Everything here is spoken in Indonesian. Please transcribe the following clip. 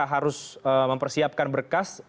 harus mempersiapkan berkas